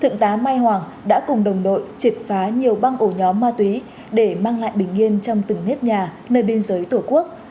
thượng tá mai hoàng đã cùng đồng đội triệt phá nhiều băng ổ nhóm ma túy để mang lại bình yên trong từng nếp nhà nơi biên giới tổ quốc